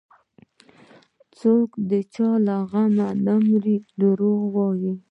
څوك د چا له غمه نه مري دروغ وايي